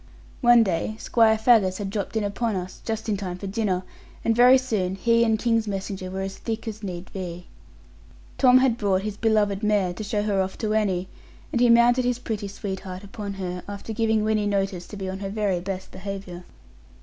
One day Squire Faggus had dropped in upon us, just in time for dinner; and very soon he and King's messenger were as thick as need be. Tom had brought his beloved mare to show her off to Annie, and he mounted his pretty sweetheart upon her, after giving Winnie notice to be on her very best behaviour.